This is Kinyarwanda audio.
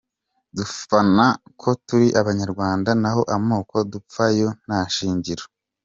Dupfana ko turi Abanyarwanda naho amoko dupfa yo nta shingiro.